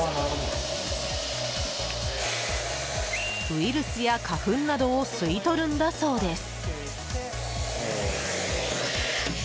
ウイルスや花粉などを吸い取るんだそうです。